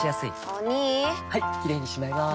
お兄はいキレイにしまいます！